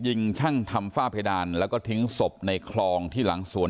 ยิงช่างทำฝ้าเพดานแล้วก็ทิ้งศพในคลองที่หลังสวน